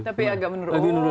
tapi agak menurun